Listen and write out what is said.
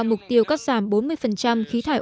mục tiêu cắt giảm bốn mươi khí thải